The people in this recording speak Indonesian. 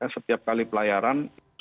setiap kali pelayaran